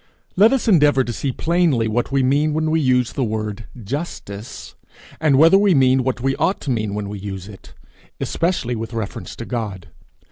Let us endeavour to see plainly what we mean when we use the word justice, and whether we mean what we ought to mean when we use it especially with reference to God.